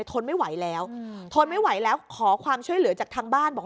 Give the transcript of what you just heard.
ทนไม่ไหวแล้วทนไม่ไหวแล้วขอความช่วยเหลือจากทางบ้านบอก